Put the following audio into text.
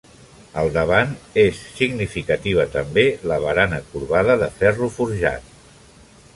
Al davant, és significativa també la barana corbada de ferro forjat.